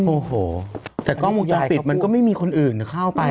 โอ้โหแต่กล้องวงจรปิดมันก็ไม่มีคนอื่นเข้าไป